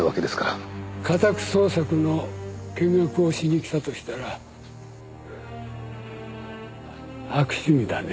家宅捜索の見学をしに来たとしたら悪趣味だね。